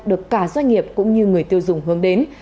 được cả doanh nghiệp cũng như người tiêu dùng hướng đến